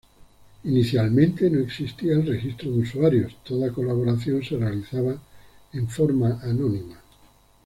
Inicialmente, no existía el registro de usuarios; toda colaboración se realizaba en forma anónima.